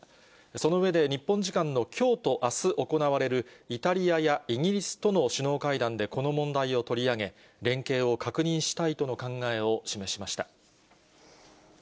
その上で、日本時間のきょうとあす行われる、イタリアやイギリスとの首脳会談でこの問題を取り上げ、連携を確認したいとの考えを示しました。